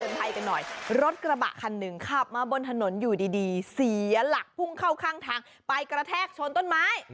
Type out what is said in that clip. ภัยกันหน่อยรถกระบะคันหนึ่งขับมาบนถนนอยู่ดีดีเสียหลักพุ่งเข้าข้างทางไปกระแทกชนต้นไม้